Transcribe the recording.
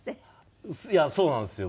そうなんですよ。